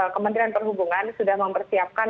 kementerian perhubungan sudah mempersiapkan